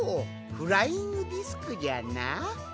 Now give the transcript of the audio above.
フライングディスクじゃな。